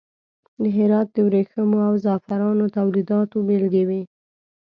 د هرات د وریښمو او زغفرانو تولیداتو بیلګې وې.